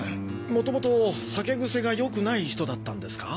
元々酒癖が良くない人だったんですか？